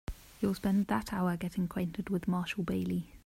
You will spend that hour getting acquainted with Marshall Bailey.